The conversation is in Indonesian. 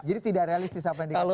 tidak realistis apa yang dikatakan